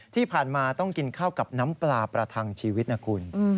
ที่ผ่านมาต้องกินข้าวกับน้ำปลาประทังชีวิตนะคุณ